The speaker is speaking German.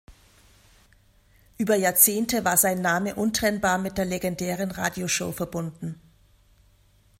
Über Jahrzehnte war sein Name untrennbar mit der legendären Radioshow verbunden.